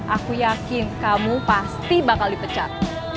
aku yakin kamu pasti bakal dipecat